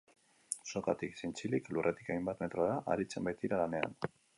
Sokatik zintzilik, lurretik hainbat metrotara aritzen baitira lanean.